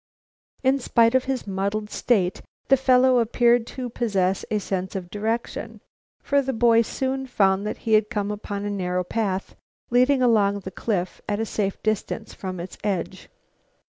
In spite of his muddled state the fellow appeared to possess a sense of direction, for the boy soon found that he had come upon a narrow path leading along the cliff at a safe distance from its edge.